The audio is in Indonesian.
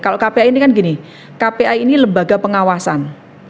kalau kpi ini kan gini kpi ini lembaga pengawasan